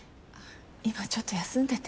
今ちょっと休んでて。